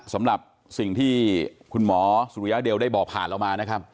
สำหรับสิ่งที่คุณหมอสุริยะเดลได้บอกผ่านเรามานะครับ